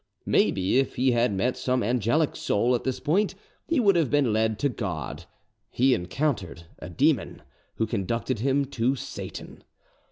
Maybe, if he had met some angelic soul at this point, he would have been led to God; he encountered a demon, who conducted him to Satan.